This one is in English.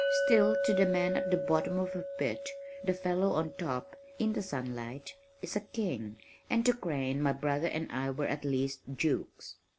Still to the man at the bottom of a pit the fellow on top, in the sunlight, is a king, and to Crane my brother and I were at least dukes.